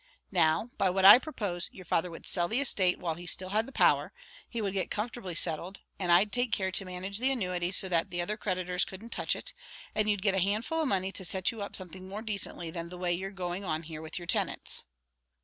Now, by what I propose, your father would sell the estate while still he had the power; he would get comfortably settled and I'd take care to manage the annuity so that the other creditors couldn't touch it; and you'd get a handful of money to set you up something more decently than the way you're going on here with your tenants."